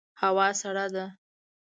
هوا سړه ده